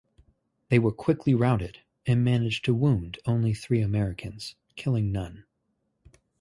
They were quickly routed, and managed to wound only three Americans, killing none.